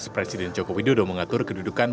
presiden joko widodo mengatur kedudukan